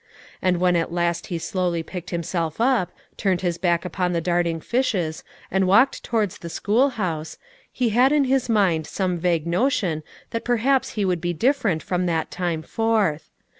And when at last he slowly picked himself up, turned his back upon the darting fishes, and walked towards the school house, he had in his mind some vague notion that perhaps he would be different from that time forth.